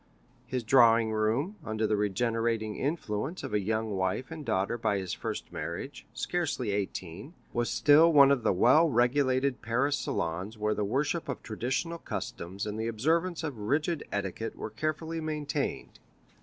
His drawing room, under the regenerating influence of a young wife and a daughter by his first marriage, scarcely eighteen, was still one of the well regulated Paris salons where the worship of traditional customs and the observance of rigid etiquette were carefully maintained.